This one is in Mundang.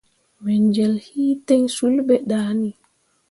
Me jel hi ten sul be dah ni.